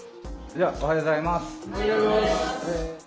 おはようございます。